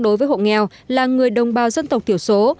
đối với hộ nghèo là người đồng bào dân tộc thiểu số